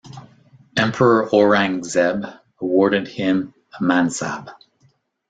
Emperor Aurangzeb awarded him a Mansab.